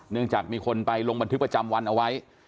จากมีคนไปลงบันทึกประจำวันเอาไว้